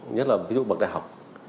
nhất là ví dụ bậc đại học